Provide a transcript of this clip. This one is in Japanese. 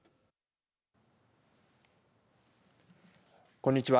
こんにちは。